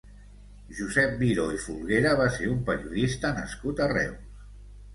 Josep Miró i Folguera va ser un periodista nascut a Reus.